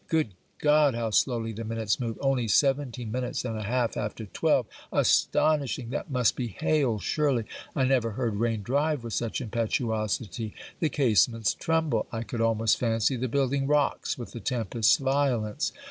Good God, how slowly the minutes move! only seventeen minutes and a half after twelve! Astonishing! that must be hail surely! I never heard rain drive with such impetuosity. The casements tremble. I could almost fancy the building rocks with the tempest's violence.